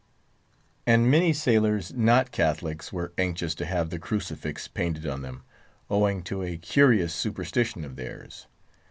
And many sailors not Catholics were anxious to have the crucifix painted on them, owing to a curious superstition of theirs.